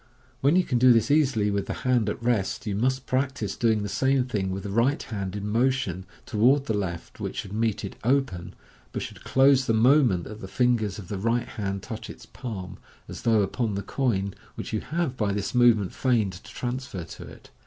When you can do this easily with the hand at rest, you must practise doing the same thing with the right hand in motion toward the left, which should meet it open, but should close the moment that the fingers of the right hand touch its palm, as though upon the coin, which you have by this movement feigned to transfer to it.